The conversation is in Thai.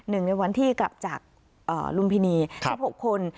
ในวันที่กลับจากลุมพินี๑๖คน